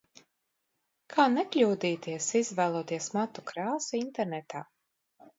Kā nekļūdīties izvēloties matu krāsu internetā?